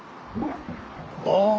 ああ。